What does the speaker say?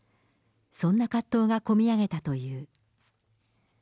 そんな葛藤が込み上げたという。